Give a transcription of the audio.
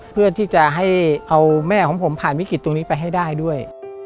เพื่อที่จะให้เอาแม่ของผมผ่านวิกฤตตรงนี้ไปให้ได้ด้วย